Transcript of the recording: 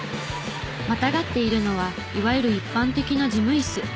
またがっているのはいわゆる一般的な事務いす。